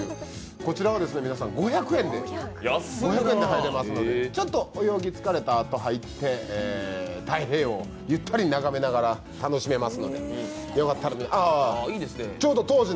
こちらは皆さん、５００円で入れますので、ちょっと泳ぎ疲れたあと入って太平洋、ゆったり眺めながら楽しめます。